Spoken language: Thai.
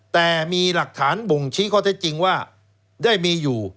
แต่มีหลักฐานบ่งชี้ข้อเท็จจริงว่าได้มีอยู่